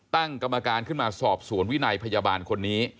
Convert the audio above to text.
ตั้งกรรมการขึ้นมาสอบสวนวินัยพยาบาลคนนี้